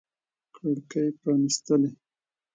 کړکۍ پرانیستلي